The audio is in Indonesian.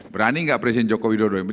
berani enggak presiden jokowi dodoin